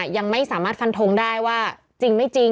ยังไม่สามารถฟันทงได้ว่าจริงไม่จริง